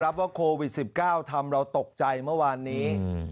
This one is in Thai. ว่าโควิด๑๙ทำเราตกใจเมื่อวานนี้